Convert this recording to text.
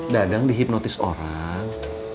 dadang dihipnotis orang